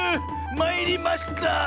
まいりました！